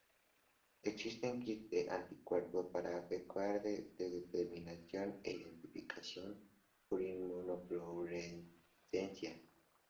Existen kits de anticuerpos para efectuar su determinación e identificación por inmunofluorescencia.